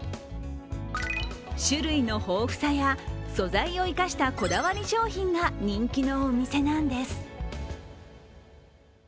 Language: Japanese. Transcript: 種類の豊富さや素材を生かしたこだわり商品が人気のお店なんです。